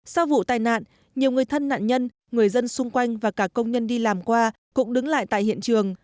sau vụ tai nạn nhiều người thân nạn nhân người dân xung quanh và cả công nhân đi làm qua cũng đứng lại tại hiện trường